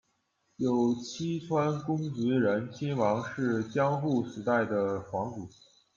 有栖川宫职仁亲王是江户时代的皇族。